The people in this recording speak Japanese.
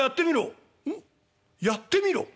「おっ『やってみろ』？